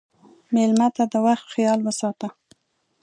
مېلمه ته د وخت خیال وساته.